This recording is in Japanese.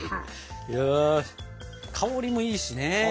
香りもいいしね。